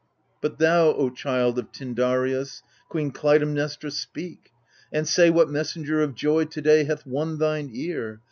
AGAMEMNON 7 But thou, O child of Tyndareus, Queen Clytemnestra, speak ! and say What messenger of joy to day Hath won thine ear